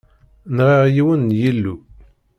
Nɣiɣ yiwen n yillu.